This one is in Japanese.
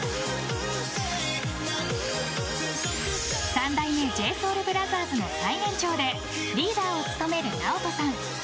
三代目ＪＳＯＵＬＢＲＯＴＨＥＲＳの最年長でリーダーを務めるＮＡＯＴＯさん。